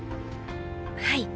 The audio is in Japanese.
はい。